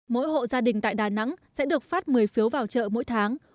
mỗi hộ gia đình tại đà nẵng sẽ được phát một mươi phiếu vào chợ mỗi tháng